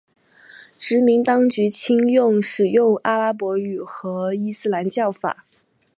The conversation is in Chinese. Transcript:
殖民当局倾向使用阿拉伯语和伊斯兰教法。